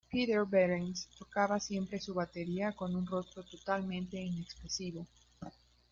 Peter Behrens tocaba siempre su batería con un rostro totalmente inexpresivo.